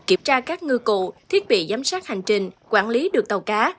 kiểm tra các ngư cụ thiết bị giám sát hành trình quản lý được tàu cá